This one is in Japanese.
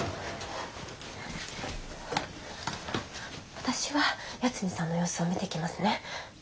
私は八海さんの様子を見てきますね。